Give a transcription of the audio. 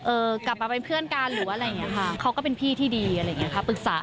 กลับมาเป็นเพื่อนกันหรืออะไรอย่างเงี้ค่ะเขาก็เป็นพี่ที่ดีอะไรอย่างเงี้ค่ะปรึกษา